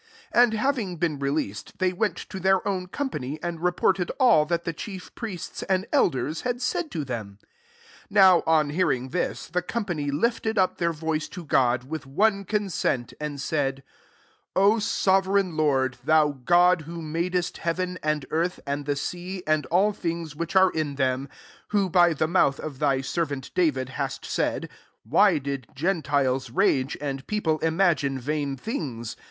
23 And having been releas ed, they went to their own com pany, and reported all that the chief priests and elders had said to them. 24 Now, on hear ing thU^ the company lifted up their voice to God, with one consent, and said ;O sove reign Lord« thou God, who madest heaven, and earth, and the sea, and all things which are in them: 25 who by the mouth of thy servant David hast said, * Why did gentiles rage, and people imagine vain things